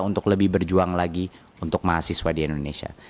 untuk lebih berjuang lagi untuk mahasiswa di indonesia